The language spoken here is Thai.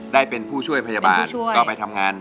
ได้เป็นผู้ช่วยพยาบาลก็ไปทำงาน